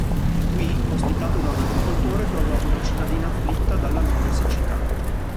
Qui, ospitato da un agricoltore, trovò una cittadina afflitta dalla lunga siccità.